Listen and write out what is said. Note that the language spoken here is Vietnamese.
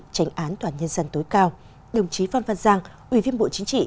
tránh án toàn nhân dân tối cao đồng chí phan văn giang ủy viên bộ chính trị